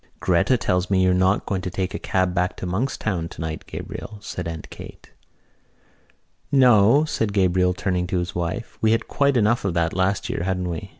"Gretta tells me you're not going to take a cab back to Monkstown tonight, Gabriel," said Aunt Kate. "No," said Gabriel, turning to his wife, "we had quite enough of that last year, hadn't we?